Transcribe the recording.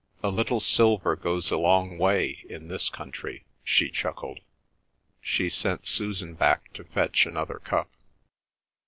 "A little silver goes a long way in this country," she chuckled. She sent Susan back to fetch another cup.